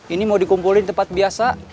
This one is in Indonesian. ini mau dikumpulin tempat biasa